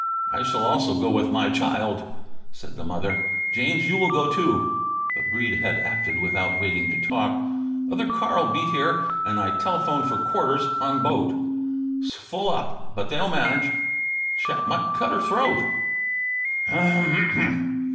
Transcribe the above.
"I shall also go with my child," said the mother. "James, you will go too." But Breede had acted without waiting to talk. "Other car'll be here, 'n' I telephoned for quarters on boat. 'S full up, but they'll manage. Chap might cut her throat." "U u u mm!"